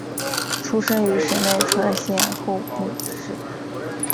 出身于神奈川县厚木市。